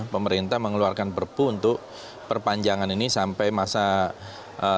pemerintah mengeluarkan perpu untuk perpanjangan ini sampai masa terbentuknya